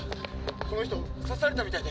この人刺されたみたいで。